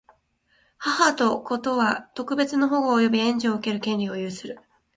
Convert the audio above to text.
母と子とは、特別の保護及び援助を受ける権利を有する。